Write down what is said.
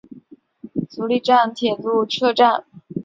足利站铁路车站。